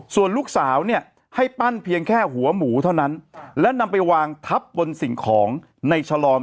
ส่วนลูกสาวเนี่ยให้ปั้นเพียงแค่หัวหมูเท่านั้นและนำไปวางทับบนสิ่งของในฉลอม